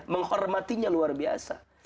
menghormatinya luar biasa